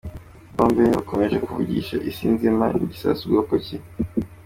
Bombe H ikomeje kuvugisha isi nzima ni igisasu bwoko ki?.